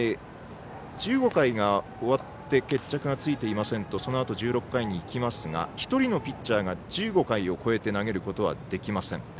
１５回が終わって決着がついていませんとそのあと１６回にいきますと１人のピッチャーが１５回を超えて投げることはできません。